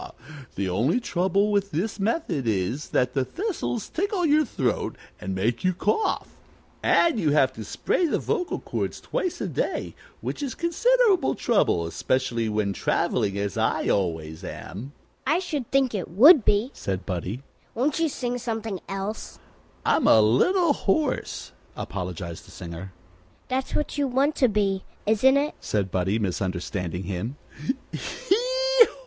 The only trouble with this method is that the thistles tickle your throat and make you cough, and you have to spray the vocal cords twice a day, which is considerable trouble, especially when traveling, as I always am." "I should think it would be," said Buddie. "Won't you sing something else?" "I'm a little hoarse," apologized the singer. "That's what you want to be, isn't it?" said Buddie, misunderstanding him.